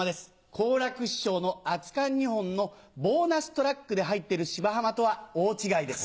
好楽師匠の『熱燗二本』のボーナストラックで入ってる『芝浜』とは大違いです。